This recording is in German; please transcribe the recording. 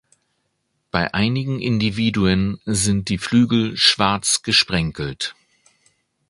Bei einigen Individuen sind die Flügel schwarz gesprenkelt.